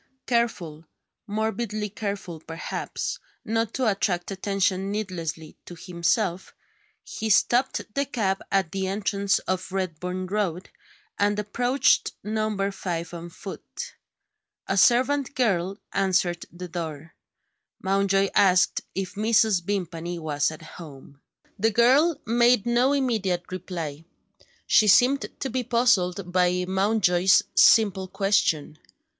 Careful morbidly careful, perhaps not to attract attention needlessly to himself, he stopped the cab at the entrance to Redburn Road, and approached Number Five on foot. A servant girl answered the door. Mountjoy asked if Mrs. Vimpany was at home. The girl made no immediate reply. She seemed to be puzzled by Mountjoy's simple question.